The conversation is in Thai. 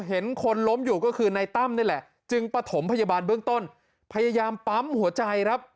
เห็นคนล้มอยู่ก็คือในตั้มนี่แหละจึงประถมพยาบาลเบื้องต้นพยายามปั๊มหัวใจครับ